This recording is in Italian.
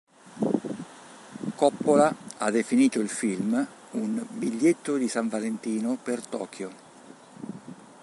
Coppola ha definito il film un "biglietto di San Valentino" per Tokyo.